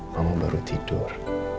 mama baru tidur